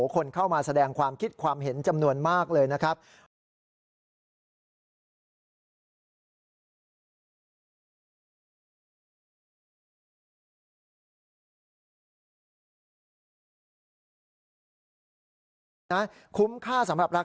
คนเข้ามาแสดงความคิดความเห็นจำนวนมากเลยนะครับ